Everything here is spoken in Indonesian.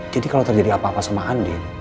jadi kalau terjadi apa apa sama andin